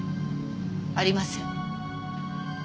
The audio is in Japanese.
ありません。